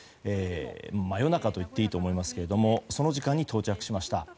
真夜中といっていいと思いますがその時間に到着しました。